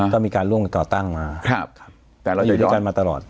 ก็มีการร่วมก่อตั้งมาแต่เราอยู่ด้วยกันมาตลอด